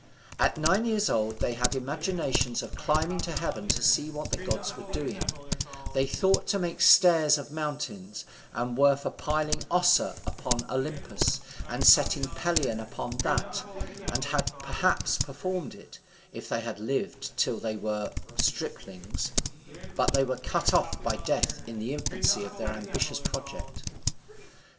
At nine years old they had imaginations of climbing to heaven to see what the gods were doing; they thought to make stairs of mountains, and were for piling Ossa upon Olympus, and setting Pelion upon that, and had perhaps performed it, if they had lived till they were striplings; but they were cut off by death in the infancy of their ambitious project.